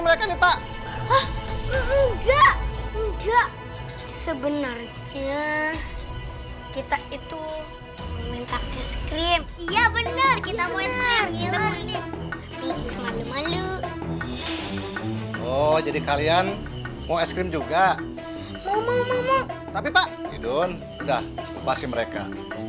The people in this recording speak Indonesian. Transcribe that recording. mereka nih pak enggak enggak sebenarnya kita itu minta es krim ya bener kita mau